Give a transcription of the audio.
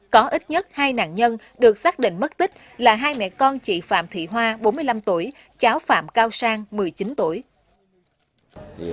có ít nhất hai nạn nhân được xác định mất tích là hai mẹ con chị phạm thị hoa bốn mươi năm tuổi cháu phạm cao sang một mươi chín tuổi